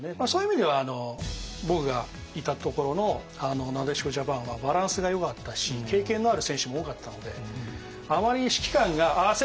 そういう意味では僕がいたところのなでしこジャパンはバランスがよかったし経験のある選手も多かったのであまり指揮官がああ